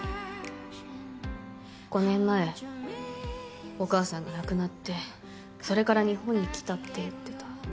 ５年前お母さんが亡くなってそれから日本に来たって言ってた。